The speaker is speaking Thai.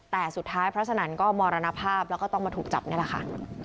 แต่สุดท้ายเพราะฉะนั้นก็มรณภาพแล้วก็ต้องมาถูกจับนี่แหละค่ะ